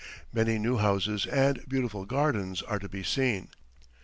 Many new houses and beautiful gardens are to be seen.